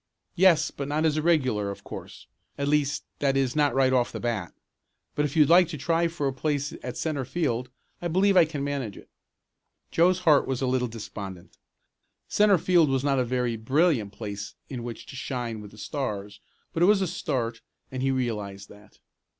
"Yes, but not as a regular, of course at least that is not right off the bat. But if you'd like to try for place at centre field I believe I can manage it." Joe's heart was a little despondent. Centre field was not a very brilliant place in which to shine with the Stars, but it was a start and he realized that.